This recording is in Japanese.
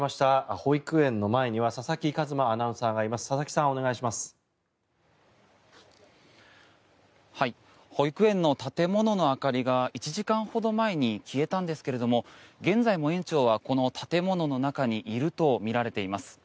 保育園の建物の明かりが１時間ほど前に消えたんですが現在も園長はこの建物の中にいるとみられています。